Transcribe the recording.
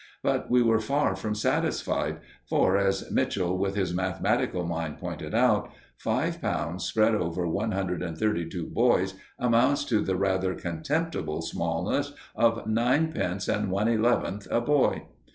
But we were far from satisfied, for, as Mitchell with his mathematical mind pointed out, five pounds spread over one hundred and thirty two boys amounts to the rather contemptible smallness of ninepence and one eleventh a boy.